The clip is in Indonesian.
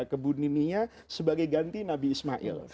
kebuninnya sebagai ganti nabi ismail